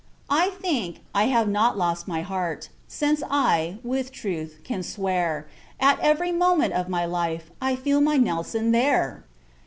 I think, I have not lost my heart; Since I, with truth, can swear, At every moment of my life, I feel my Nelson there!